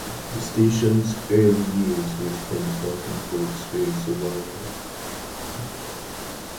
The station's early years were spent fighting for its very survival.